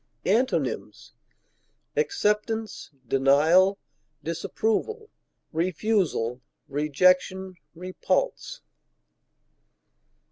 Antonyms: acceptance, denial, disapproval, refusal, rejection, repulse.